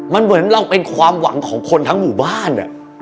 มันเหมือนเราเป็นความหวังของคนทั้งหมู่บ้าน